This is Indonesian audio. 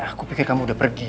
aku pikir kamu udah pergi